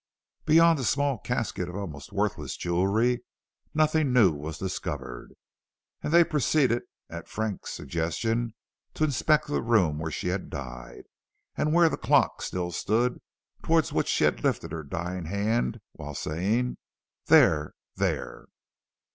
But beyond a small casket of almost worthless jewelry, nothing new was discovered, and they proceeded at Frank's suggestion to inspect the room where she had died, and where the clock still stood towards which she had lifted her dying hand, while saying, "There! there!"